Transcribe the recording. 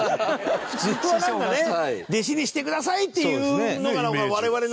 普通は「弟子にしてください」っていうのが、我々の。